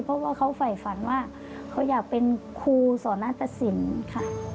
เพราะว่าเขาฝ่ายฝันว่าเขาอยากเป็นครูสอนตสินค่ะ